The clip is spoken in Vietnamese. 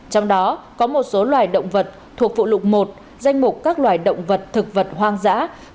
trong đó có một số loài động vật thuộc vụ lục một danh mục các loài động vật thực vật hoang dã